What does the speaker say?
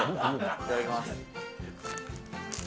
いただきます。